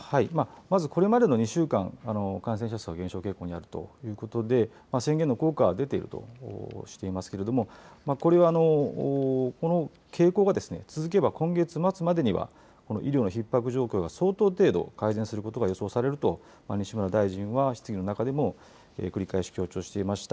まずこれまでの２週間、感染者数の減少傾向にあるということで、宣言の効果は出ているとしていますけれども、これは、この傾向が続けば、今月末までにはこの医療のひっ迫状況が相当程度、改善することが予想されると、西村大臣は質疑の中でも繰り返し強調していました。